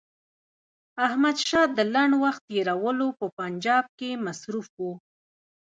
احمدشاه د لنډ وخت تېرولو په پنجاب کې مصروف وو.